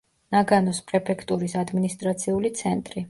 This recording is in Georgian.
ნაგანოს პრეფექტურის ადმინისტრაციული ცენტრი.